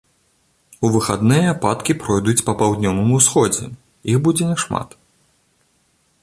У выхадныя ападкі пройдуць па паўднёвым усходзе, іх будзе няшмат.